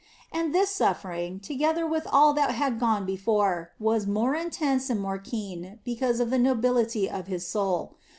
And this suffering, together with all that had gone before, was more intense and more keen because of the nobility of His soul.